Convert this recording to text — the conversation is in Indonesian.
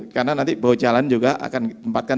karena nanti bawa jalan juga akan ditempatkan